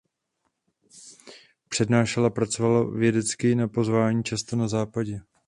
Přednášel a pracoval vědecky na pozvání často na Západě.